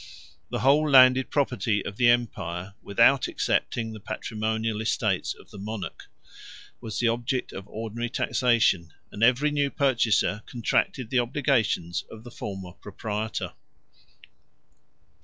172 The whole landed property of the empire (without excepting the patrimonial estates of the monarch) was the object of ordinary taxation; and every new purchaser contracted the obligations of the former proprietor.